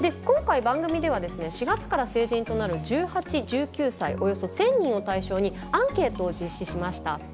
今回番組ではですね４月から成人となる１８１９歳およそ１，０００人を対象にアンケートを実施しました。